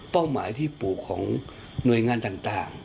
หมายที่ปลูกของหน่วยงานต่าง